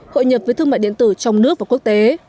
hội nhập với thương mại điện tử trong nước và quốc tế